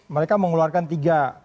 mereka mengeluarkan tiga